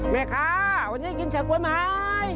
แม่คะวันนี้กินชะก๊วยไหม